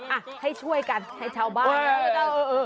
อ่ะให้ช่วยกันให้ชาวบ้านเออเออ